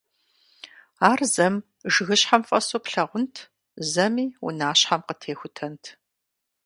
Ар зэм жыгыщхьэм фӀэсу плъагъунт, зэми унащхьэм къытехутэнт.